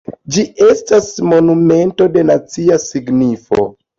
Ĝi estas monumento de nacia signifo.